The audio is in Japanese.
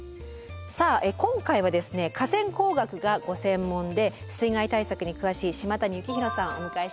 さあ今回は河川工学がご専門で水害対策に詳しい島谷幸宏さんお迎えしています。